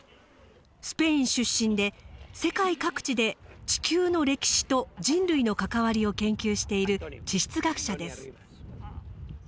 スペイン出身で世界各地で地球の歴史と人類の関わりを研究している地質学者です。